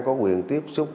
có quyền tiếp xúc